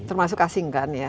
termasuk asing kan ya